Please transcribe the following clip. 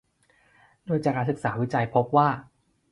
โดยจากการศึกษาวิจัยพบว่า